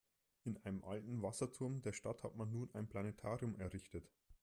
In einem alten Wasserturm der Stadt hat man nun ein Planetarium errichtet.